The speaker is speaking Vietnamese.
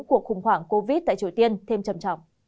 cuộc khủng hoảng covid tại triều tiên thêm trầm trọng